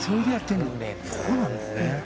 そうなんですね。